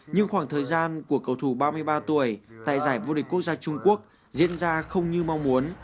nhưng khoảng thời gian của cầu thủ ba mươi ba tuổi tại giải vô địch quốc gia trung quốc diễn ra không như mong muốn